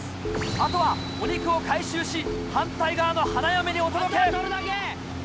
あとはお肉を回収し反対側の花嫁にお届け。